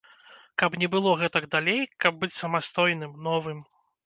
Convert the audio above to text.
Каб не было гэтак далей, каб быць самастойным, новым.